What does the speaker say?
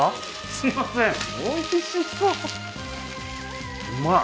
すいませんおいしそううまい